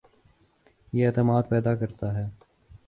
یہ اعتماد پیدا کرتا ہے